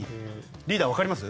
リーダー、わかります？